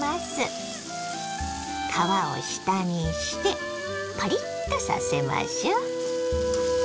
皮を下にしてパリッとさせましょ。